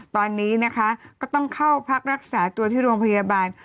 ตอนนี้นะคะก็ต้องเข้าพักรักษาตัวที่โรงพยาบาล